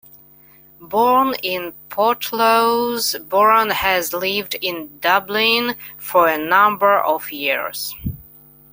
Born in Portlaoise, Boran has lived in Dublin for a number of years.